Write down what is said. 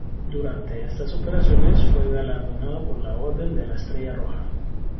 Durante estas operaciones fue galardonado con la Orden de la Estrella Roja.